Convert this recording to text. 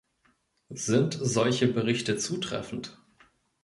Sind solche Berichte zutreffend?